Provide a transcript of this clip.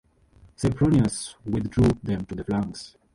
Sempronius withdrew them to the flanks.